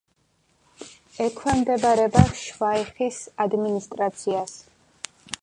ექვემდებარება შვაიხის ადმინისტრაციას.